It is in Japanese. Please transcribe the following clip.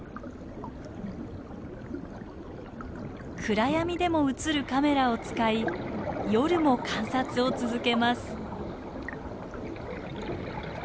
暗闇でも映るカメラを使い夜も観察を続けます。